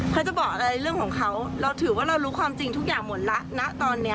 เขาจะบอกอะไรเรื่องของเขาเราถือว่าเรารู้ความจริงทุกอย่างหมดแล้วนะตอนนี้